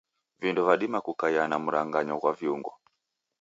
Vindo vadima kukaia na mranganyo ghwa viungo.